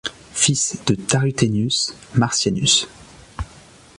Fils de Tarrutenius Marcianus.